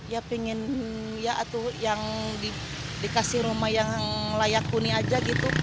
ya pengen yang dikasih rumah yang layak kuni aja gitu